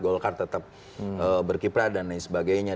golkar tetap berkiprah dan lain sebagainya